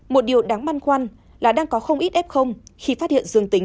một điều đáng băn khoăn là đang có không ít f khi phát hiện dương tính